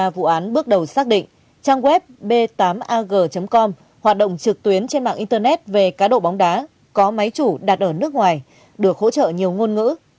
vụ án bước đầu xác định trang web b tám ag com hoạt động trực tuyến trên mạng internet về cá độ bóng đá có máy chủ đặt ở nước ngoài được hỗ trợ nhiều ngôn ngữ